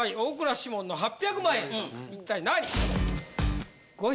一体何？